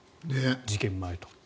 事件前と。